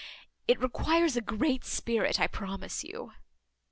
It requires a great spirit, I promise you."